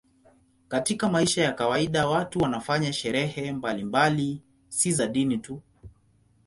Katika maisha ya kawaida watu wanafanya sherehe mbalimbali, si za dini tu.